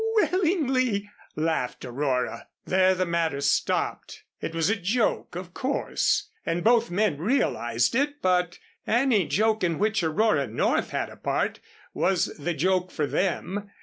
"Willingly," laughed Aurora. There the matter stopped. It was a joke, of course, and both men realized it, but any joke in which Aurora North had a part was the joke for them.